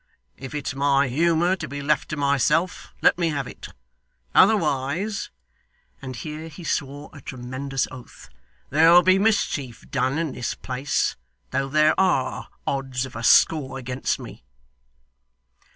If it's my humour to be left to myself, let me have it. Otherwise,' and here he swore a tremendous oath 'there'll be mischief done in this place, though there ARE odds of a score against me.